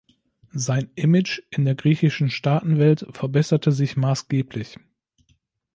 Sein Image in der griechischen Staatenwelt verbesserte sich maßgeblich.